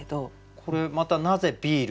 これまたなぜビール？